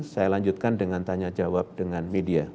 saya lanjutkan dengan tanya jawab dengan media